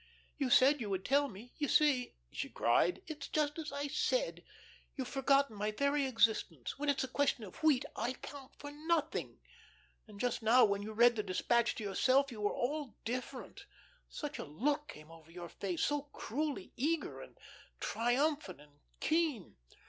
"You said you would tell me. You see," she cried, "it's just as I said. You've forgotten my very existence. When it's a question of wheat I count for nothing. And just now, when you read the despatch to yourself, you were all different; such a look came into your face, so cruelly eager, and triumphant and keen."